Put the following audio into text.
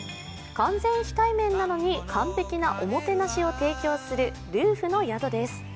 完全非対面なのに完璧なおもてなしを提供する、るうふの宿です。